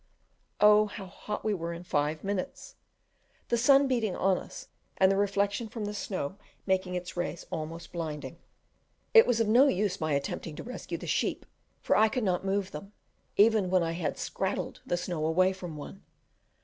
Oh, how hot we were in five minutes! the sun beating on us, and the reflection from the snow making its rays almost blinding. It was of no use my attempting to rescue the sheep, for I could not move them, even when I had scrattled the snow away from one.